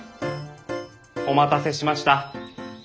お待たせしました。